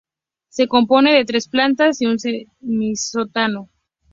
Se compone de tres plantas y un semisótano.